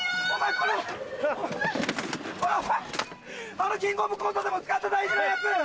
あの『キングオブコント』でも使った大事なやつ！